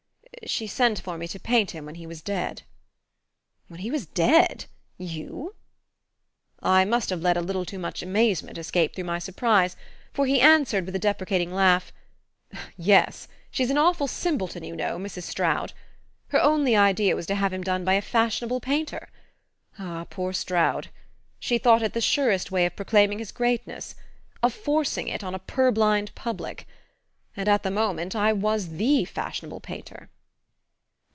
She sent for me to paint him when he was dead." "When he was dead? You?" I must have let a little too much amazement escape through my surprise, for he answered with a deprecating laugh: "Yes she's an awful simpleton, you know, Mrs. Stroud. Her only idea was to have him done by a fashionable painter ah, poor Stroud! She thought it the surest way of proclaiming his greatness of forcing it on a purblind public. And at the moment I was THE fashionable painter."